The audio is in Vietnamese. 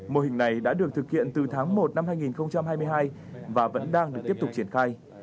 mô hình này đã được thực hiện từ tháng một năm hai nghìn hai mươi hai và vẫn đang được tiếp tục triển khai